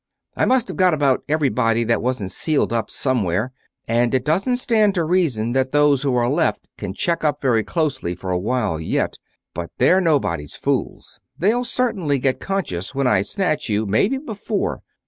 I must have got about everybody that wasn't sealed up somewhere, and it doesn't stand to reason that those who are left can check up very closely for a while yet. But they're nobody's fools they'll certainly get conscious when I snatch you, maybe before